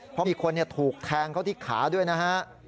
เพราะมีคนถูกแทงเขาที่ขาด้วยนะฮะ